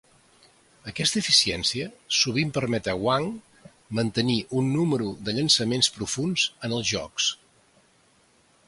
Aquesta eficiència sovint permet a Wang mantenir un número de llançaments profunds en els jocs.